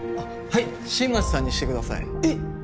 はい新町さんにしてくださいえっ！？